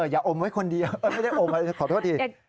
อย่าโอนไว้คนเดียวไม่ได้โอนขอโทษสิ